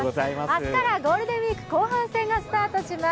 明日からゴールデンウイーク後半戦がスタートします。